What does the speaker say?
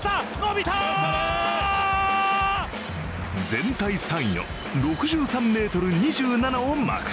全体３位の６３ｍ２７をマーク。